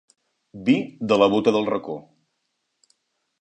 Vi de la bota del racó.